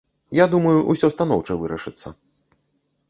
Я думаю, усё станоўча вырашыцца.